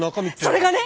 それがね！